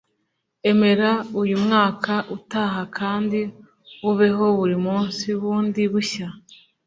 emera uyu mwaka utaha kandi ubeho buri munsi bundi bushya